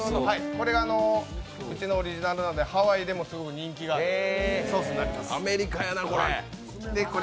これがうちのオリジナルなのでハワイでもすごく人気のソースになります。